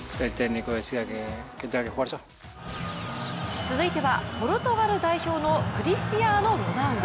続いてはポルトガル代表のクリスチアーノ・ロナウド。